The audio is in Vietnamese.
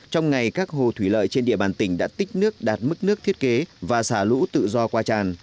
trong ngày các hồ thủy lợi trên địa bàn tỉnh đã tích nước đạt mức nước thiết kế và xả lũ tự do qua tràn